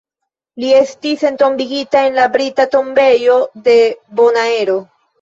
Li estis entombigita en la Brita Tombejo de Bonaero.